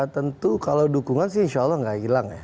tentu kalau dukungan sih insya allah nggak hilang ya